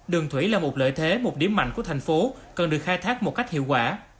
đường thủy là một lợi thế một điểm mạnh của thành phố cần được khai thác một cách hiệu quả